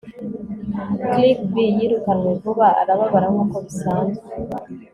kirkby yirukanwe vuba, arababara, nkuko bisanzwe